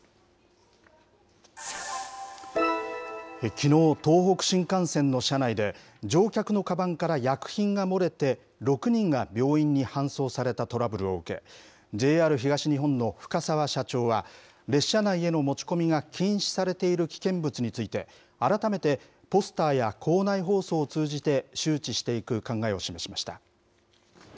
きのう、東北新幹線の車内で、乗客のかばんから薬品が漏れて、６人が病院に搬送されたトラブルを受け、ＪＲ東日本の深澤社長は、列車内への持ち込みが禁止されている危険物について、改めてポスターや構内放送を通じて周知していく考えを示しました。